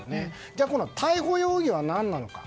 じゃあ、逮捕容疑は何なのか。